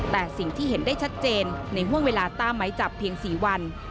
แต่สิ่งที่เห็นได้ชัดเจนในห่วงเวลาตามไม้จับเพียง๔วัน